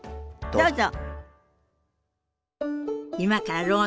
どうぞ。